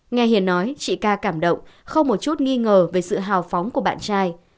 nghe hiền nói chị ca cảm động không một chút nghi ngờ về sự hào phóng của bạn trai